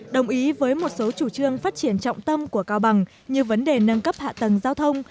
đồng ý với một số chủ trương phát triển trọng tâm của cao bằng như vấn đề nâng cấp hạ tầng giao thông